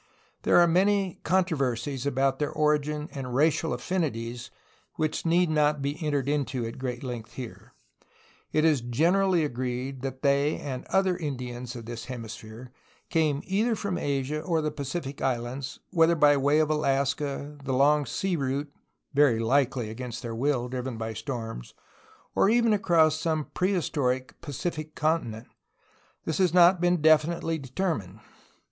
There are many controversies about their origin and racial affini ties which need not be entered into at great length here. It is generally agreed that they and the other Indians of this hemisphere came either from Asia or the Pacific islands, whether by way of Alaska, the long sea route (very likely against their will, driven by storms), or even across some prehistoric Pacific continent has not been definitely deter mined.